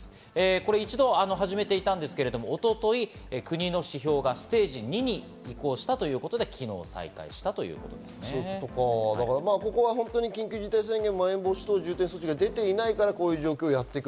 これを一度、始めていたんですが一昨日、国の指標がステージ２に移行したということで昨日再開したという緊急事態宣言、まん延防止等重点措置が出ていないから、こういうことをやっていく。